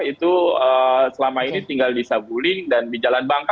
itu selama ini tinggal di saguling dan di jalan bangka